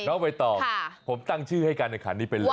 น้องไวร์ตอบผมตั้งชื่อให้กันนะครับนี่เป็นอะไร